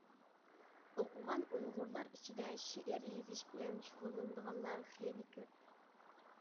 ئوقۇغان ئۇيغۇرلار ئىچىدە شېئىر يېزىش بىلەن شۇغۇللىنىدىغانلار خېلى كۆپ.